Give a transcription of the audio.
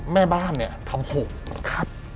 แม่บ้านทำหก